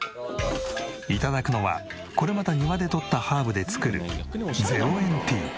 頂くのはこれまた庭でとったハーブで作る０円ティー。